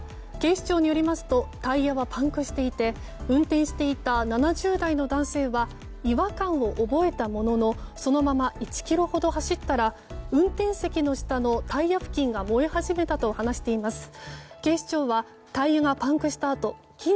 警視庁によりますとタイヤはパンクしていて運転していた７０代の男性は違和感を覚えたもののそのまま１ｋｍほど走ったら運転席の下のタイヤ付近が燃え始めたと話しています。